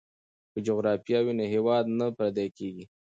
که جغرافیه وي نو هیواد نه پردی کیږي.